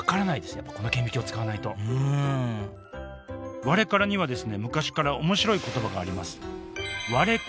やっぱこの顕微鏡使わないとうんワレカラには昔から面白い言葉があります